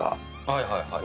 はいはいはい。